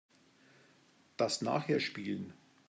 Das nachher spielen.